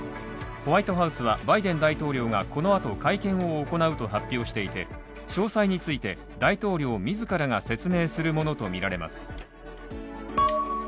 ホワイトハウスはバイデン大統領がこのあと会見を行うと発表していて詳細について大統領自らが説明するものとみられます。